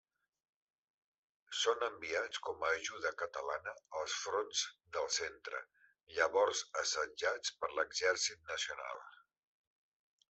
Són enviats com a ajuda catalana als fronts del centre, llavors assetjats per l'Exèrcit Nacional.